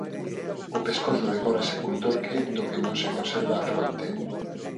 O pescozo decórase cun torque do que non se conserva a fronte.